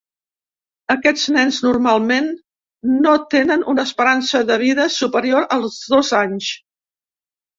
Aquests nens, normalment, no tenen una esperança de vida superior als dos anys.